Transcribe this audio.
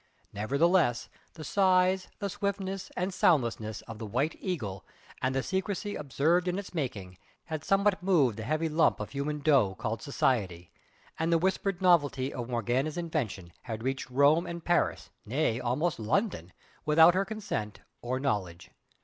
Nevertheless, the size, the swiftness and soundlessness of the "White Eagle" and the secrecy observed in its making, had somewhat moved the heavy lump of human dough called "society," and the whispered novelty of Morgana's invention had reached Rome and Paris, nay, almost London, without her consent or knowledge.